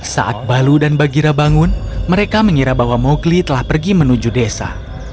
saat balu dan bagira bangun mereka mengira bahwa mowgli telah pergi menuju desa